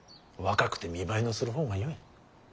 若くて見栄えのする方がよい。